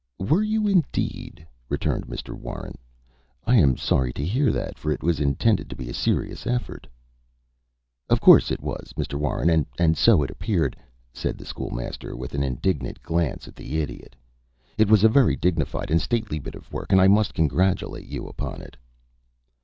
"Were you, indeed?" returned Mr. Warren. "I am sorry to hear that, for it was intended to be a serious effort." "Of course it was, Mr. Warren, and so it appeared," said the School Master, with an indignant glance at the Idiot. "It was a very dignified and stately bit of work, and I must congratulate you upon it."